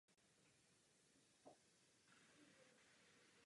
Z toho důvodu nemohli mít další děti kromě dvojčat Charlese a Thomase.